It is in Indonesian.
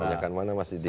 banyak kan mana mas didik